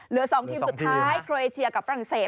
เหลือ๒ทีมสุดท้ายโครเอเชียกับฝรั่งเศส